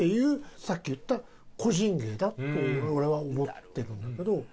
さっき言った個人芸だと俺は思ってるんだけど。